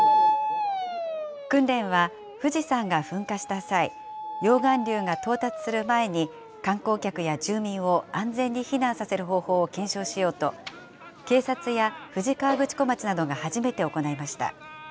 訓練は、富士山が噴火した際、溶岩流が到達する前に、観光客や住民を安全に避難させる方法を検証しようと、警察や富士河口湖町などが初めて行いました。